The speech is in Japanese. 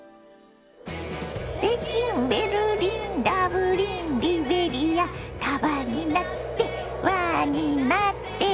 「北京ベルリンダブリンリベリア」「束になって輪になって」